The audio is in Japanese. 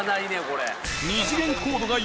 これ。